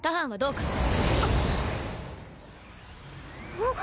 あっ。